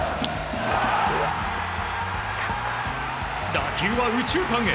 打球は右中間へ。